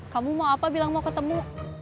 kamu mau apa bilang mau ketemu